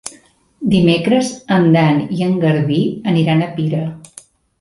Dimecres en Dan i en Garbí aniran a Pira.